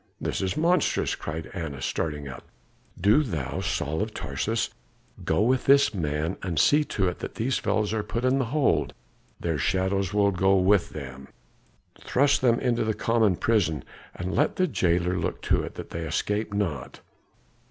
"This is monstrous!" cried Annas, starting up. "Do thou, Saul of Tarsus, go with this man and see to it that these fellows are put in hold; their shadows will go with them. Thrust them into the common prison, and let the jailer look to it that they escape not.